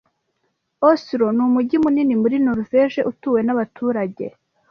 Oslo n'umujyi munini muri Noruveje utuwe n'abaturage ..